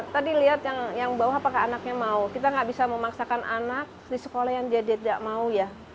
tadi lihat yang bawah apakah anaknya mau kita nggak bisa memaksakan anak di sekolah yang dia dia tidak mau ya